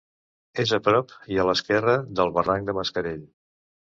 És a prop i a l'esquerra del barranc de Mascarell.